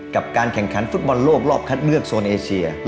กับการแข่งขันฟุตบอลโลกรอบคัดเลือกโซนเอเชีย